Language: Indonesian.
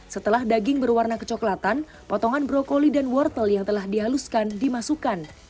setelah daging berwarna kecoklatan potongan brokoli dan wortel yang telah dihaluskan dimasukkan